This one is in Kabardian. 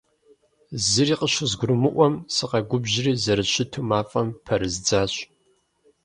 Зыри къыщызгурымыӀуэм сыкъэгубжьри, зэрыщыту мафӀэм пэрыздзащ.